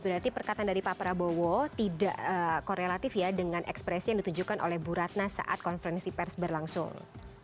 berarti perkataan dari pak prabowo tidak korelatif ya dengan ekspresi yang ditunjukkan oleh bu ratna saat konferensi pers berlangsung